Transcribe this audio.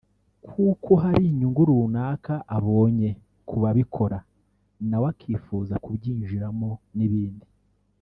kuko hari inyungu runaka abonye kubabikora nawe akifuza kubyinjiramo n’ibindi